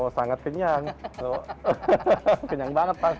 oh sangat kenyang kenyang banget pasti